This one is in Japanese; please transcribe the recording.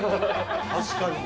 確かにね。